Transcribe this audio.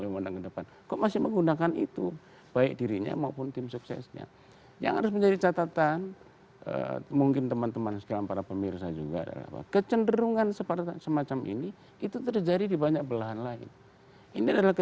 wah anda juga curiga ada mobilisasi tuh